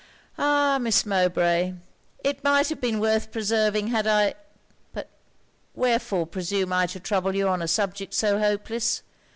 Ah, Miss Mowbray! it might have been worth preserving had I But wherefore presume I to trouble you on a subject so hopeless?